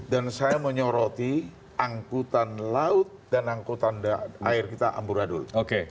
dan saya menyoroti angkutan laut dan angkutan air kita amburadul